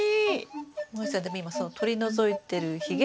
もえさんでも今取り除いてるひげ。